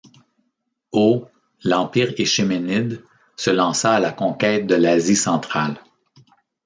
Au l'empire achéménide se lança à la conquête de l'Asie centrale.